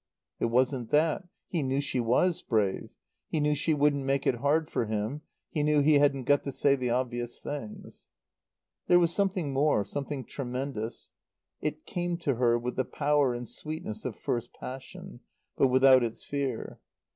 It wasn't that. He knew she was brave; he knew she wouldn't make it hard for him; he knew he hadn't got to say the obvious things. There was something more; something tremendous. It came to her with the power and sweetness of first passion; but without its fear.